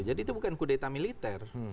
jadi itu bukan kudeta militer